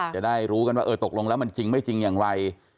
จะได้รู้กันว่าตกลงแล้วมันจริงมันจริงยังไง